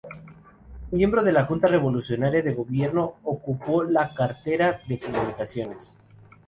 Miembro de la Junta Revolucionaria de Gobierno, ocupó la cartera de comunicaciones.